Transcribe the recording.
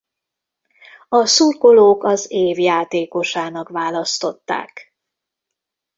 A szurkolók az év játékosának választották.